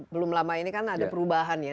belum lama ini kan ada perubahan ya